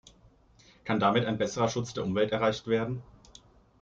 Kann damit ein besserer Schutz der Umwelt erreicht werden?